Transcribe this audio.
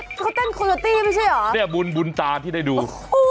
เขาเต้นโคโยตี้ไม่ใช่เหรอเนี่ยบุญบุญตาที่ได้ดู